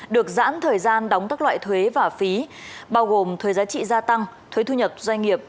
được giãn thời gian đóng các loại thuế và phí bao gồm thuế giá trị gia tăng thuế thu nhập doanh nghiệp